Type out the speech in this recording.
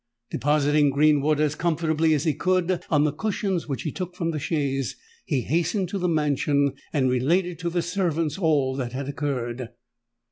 Depositing Greenwood as comfortably as he could on the cushions which he took from the chaise, he hastened to the mansion, and related to the servants all that had occurred.